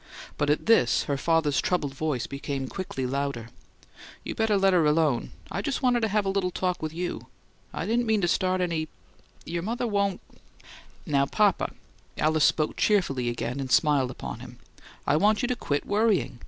But at this, her father's troubled voice became quickly louder: "You better let her alone. I just wanted to have a little talk with you. I didn't mean to start any your mother won't " "Now, papa!" Alice spoke cheerfully again, and smiled upon him. "I want you to quit worrying!